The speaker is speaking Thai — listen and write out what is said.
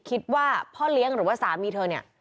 คิดว่าพ่อเลี้ยงหรือว่าสามีเธอเนี่ย